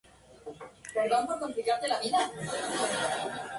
En el club se practica remo, natación y tenis.